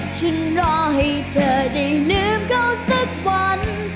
ฉันรอให้เธอได้ลืมเขาสักวัน